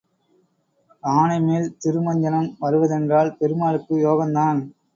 ஆனைமேல் திருமஞ்சனம் வருவதென்றால் பெருமாளுக்கு யோகந்தான்.